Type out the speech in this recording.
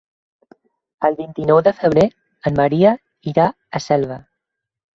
El vint-i-nou de febrer en Maria irà a Selva.